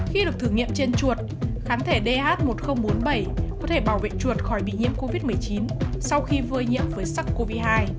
khi được thử nghiệm trên chuột kháng thể dh một nghìn bốn mươi bảy có thể bảo vệ chuột khỏi bị nhiễm covid một mươi chín sau khi vơi nhiễm với sars cov hai